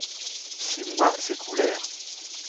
Six mois s’écoulèrent.